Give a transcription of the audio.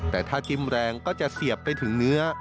แต่ถ้าจิ้มแรงก็จะเสียบไปถึงเนื้อ